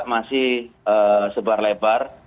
masih sebar lebar